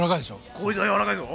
こいつは柔らかいぞ！